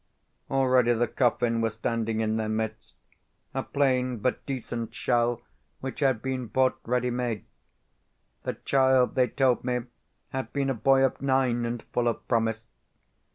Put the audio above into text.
Already the coffin was standing in their midst a plain but decent shell which had been bought ready made. The child, they told me, had been a boy of nine, and full of promise.